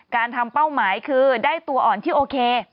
การทำเป้าหมายคือได้ตัวอ่อนที่โอเค